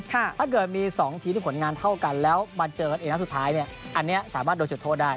ถ้าเกิดมี๒ทีมที่ผลงานเท่ากันแล้วมาเจอกันเองนัดสุดท้ายเนี่ยอันนี้สามารถโดนจุดโทษได้